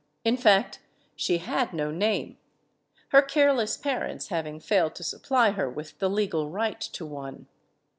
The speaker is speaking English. In fact, she had no name; her careless parents having failed to supply her with the legal right to one.